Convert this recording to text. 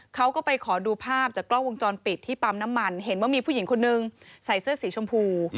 เขาก็ไปขอดูภาพจากกล้องวงจรปิดที่ปั๊มน้ำมันเห็นว่ามีผู้หญิงคนนึงใส่เสื้อสีชมพู